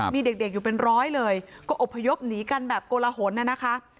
มีเด็กอยู่เป็นร้อยเลยก็อบพยพหนีกันแบบโกลหนน่ะนะคะ